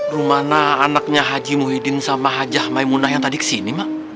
rumana anaknya haji muhyiddin sama haja maimunah yang tadi kesini mak